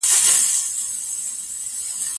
ځينې مکالمې په غېر مستقيمه توګه هم کاريدلي وې